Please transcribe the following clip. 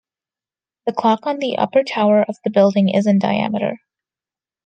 The clock on the upper tower of the building is in diameter.